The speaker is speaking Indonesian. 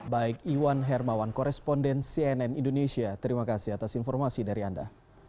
baik iwan hermawan koresponden cnn indonesia terima kasih atas informasi dari anda